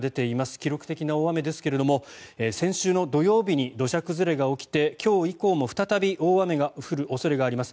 記録的な大雨ですけれども先週の土曜日に土砂崩れが起きて今日以降も再び大雨が降る恐れがあります。